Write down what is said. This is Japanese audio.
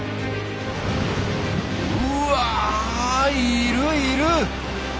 うわいるいる！